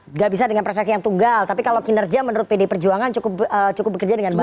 nggak bisa dengan perspektif yang tunggal tapi kalau kinerja menurut pd perjuangan cukup bekerja dengan baik